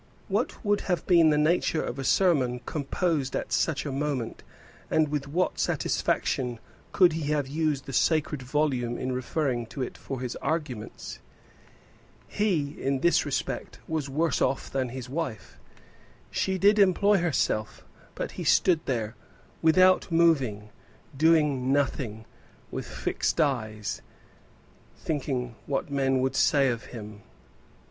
What would have been the nature of a sermon composed at such a moment, and with what satisfaction could he have used the sacred volume in referring to it for his arguments? He, in this respect, was worse off than his wife; she did employ herself, but he stood there without moving, doing nothing, with fixed eyes, thinking what men would say of him.